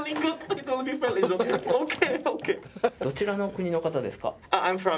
どちらの国の方ですか？